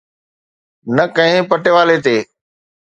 نه ڪنهن پٽيوالي تي.